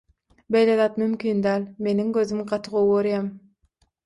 Beýle zat mümkin däl, meniň gözüm gaty gowy görýär.